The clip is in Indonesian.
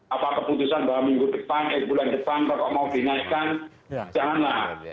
apa keputusan bahwa minggu depan eh bulan depan rokok mau dinaikkan janganlah